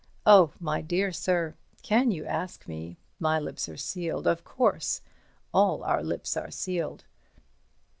Oh, my dear sir! Can you ask me? My lips are sealed of course—all our lips are sealed."